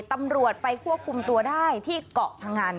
ตำรวจไปควบคุมตัวได้ที่เกาะพงัน